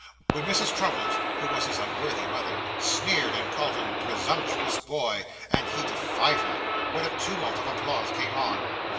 When Mrs. Crummles (who was his unworthy mother), sneered, and called him 'presumptuous boy,' and he defied her, what a tumult of applause came on!